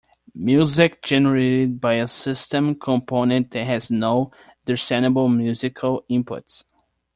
Music generated by a system component that has no discernible musical inputs.